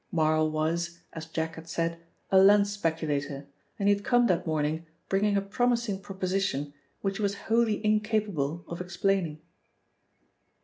Marl was, as Jack had said, a land speculator, and he had come that morning bringing a promising proposition which he was wholly incapable of explaining.